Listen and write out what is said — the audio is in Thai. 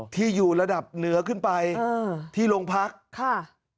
ที่อยู่ระดับเหนือขึ้นไปเออที่โรงพักค่ะ